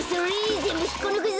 ぜんぶひっこぬくぞ。